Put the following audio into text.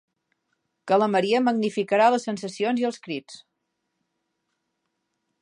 Que la maria magnificarà les sensacions i els crits.